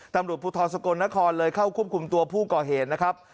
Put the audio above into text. ตำรวจภูทรสกลนครเลยเข้าควบคุมตัวผู้ก่อเหตุนะครับ